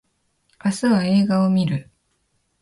明日は映画を見る